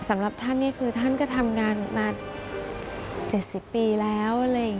สำหรับท่านนี่คือท่านก็ทำงานมา๗๐ปีแล้ว